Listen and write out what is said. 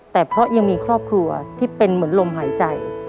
แต่เพราะยังมีครอบครัวที่เป็นเหมือนลมหายใจ